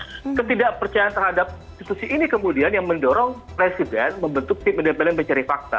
dan ada tingkat ketidakpercayaan terhadap institusi ini kemudian yang mendorong presiden membentuk tim independen pencari fakta